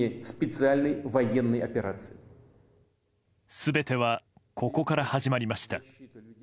全てはここから始まりました。